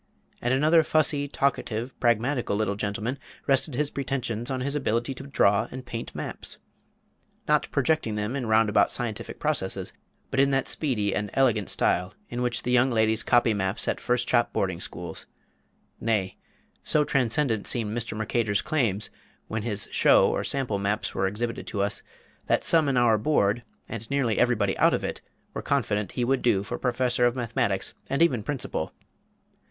And another fussy, talkative, pragmatical little gentleman rested his pretensions on his ability to draw and paint maps! not projecting them in roundabout scientific processes, but in that speedy and elegant style in which young ladies copy maps at first chop boarding schools! Nay, so transcendent seemed Mr. Merchator's claims, when his show or sample maps were exhibited to us, that some in our Board, and nearly everybody out of it, were confident he would do for Professor of Mathematics and even Principal.